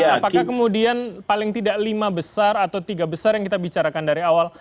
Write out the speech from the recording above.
apakah kemudian paling tidak lima besar atau tiga besar yang kita bicarakan dari awal